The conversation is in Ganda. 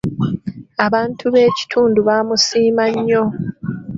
Abantu b'ekitundu baamusiima nnyo.